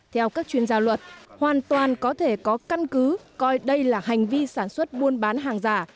theo các chuyên gia luật hoàn toàn có thể có căn cứ coi đây là hành vi sản xuất buôn bán hàng giả